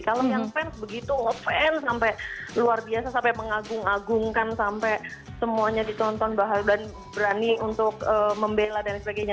kalem yang fans begitu off fair sampai luar biasa sampai mengagung agungkan sampai semuanya ditonton bahagia dan berani untuk membela dan sebagainya